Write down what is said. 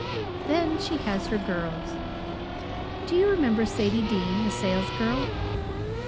"Then she has her girls. Do you remember Sadie Dean, the salesgirl?